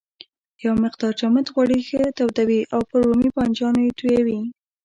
یو مقدار جامد غوړي ښه تودوي او پر رومي بانجانو یې تویوي.